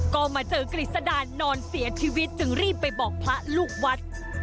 ก็มาเจอกฤษดารนอนเสียชีวิตจึงรีบไปบอกพระลูกวัด